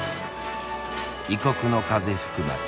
異国の風吹く街。